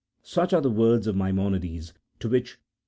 Such are the words of Maimonides, to which E.